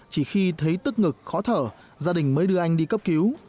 chỉ khi thấy tức ngực khó thở gia đình mới đưa anh đi cấp cứu